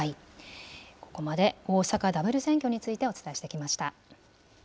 ここまで、大阪ダブル選挙についてお伝えしてきました。